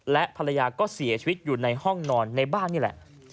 และภรรยาก็เสียชีวิตอยู่ในห้องนอนในบ้านนี่แหละ